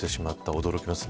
驚きますね。